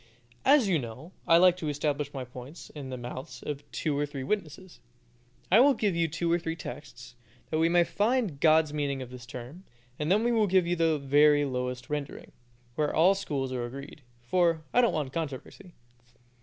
As you know, I like to establish my points in the mouths of two or three witnesses, I will give you two or three texts, that we may find out God's meaning of this term, and then we will give you the very lowest rendering, where all schools are agreed, for I don't want controversy.